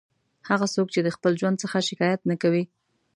هغه څوک چې د خپل ژوند څخه شکایت نه کوي.